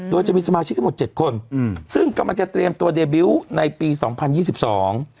โดยจะมีสมาชิกทั้งหมดเจ็ดคนอืมซึ่งกำลังจะเตรียมตัวเดบิวต์ในปีสองพันยี่สิบสอง